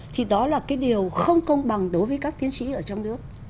thì đó là cái điều không công bằng đối với các tiến sĩ ở trong nước